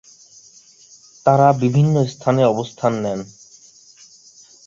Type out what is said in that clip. তাঁরা বিভিন্ন স্থানে অবস্থান নেন।